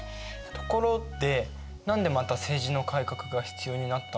ところで何でまた政治の改革が必要になったんだろう？